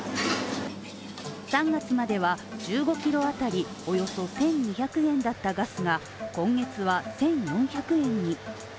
３月までは１５ｋｇ当たりおよそ１２００円だったガスが今月は１４００円に。